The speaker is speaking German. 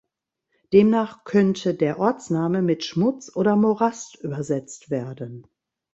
Demnach könnte der Ortsname mit „Schmutz“ oder „Morast“ übersetzt werden.